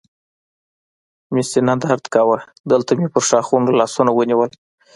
مې سینه درد کاوه، دلته مې پر ښاخونو لاسونه ونیول.